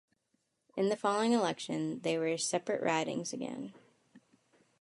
In the following election, they were separate ridings again.